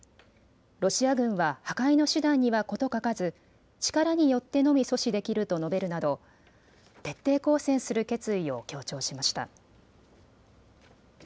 ロシア軍は破壊の手段には事欠かず力によってのみ阻止できると述べるなど徹底抗戦する決意を強調しました。